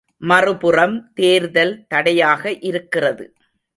மறுபுறம் தேர்தல் தடையாக இருக்கிறது.